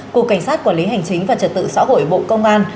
cục cảnh sát quản lý hành chính và trật tự xã hội bộ công an